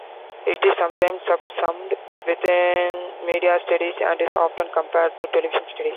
It is sometimes subsumed within media studies and is often compared to television studies.